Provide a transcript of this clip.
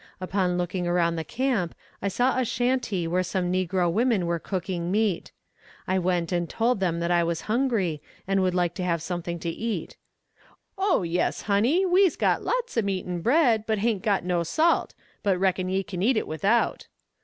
Upon looking around the camp I saw a shanty where some negro women were cooking meat. I went and told them that I was hungry and would like to have something to eat. "Oh yes, honey, we'se got lots o' meat and bread, but haint got no salt; but reckon ye can eat it without."